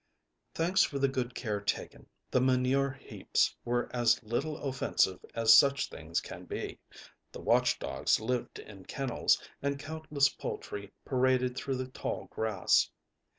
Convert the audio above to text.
Thanks for the good care taken, the manure heaps were as little offensive as such things can be; the watch dogs lived in kennels, and countless poultry paraded through the tall grass.